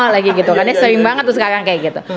lagi gitu karena sering banget sekarang kayak gitu